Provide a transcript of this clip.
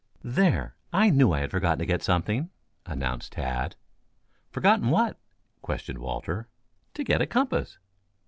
"There, I knew I had forgotten to get something," announced Tad. "Forgotten what?" questioned Walter. "To get a compass."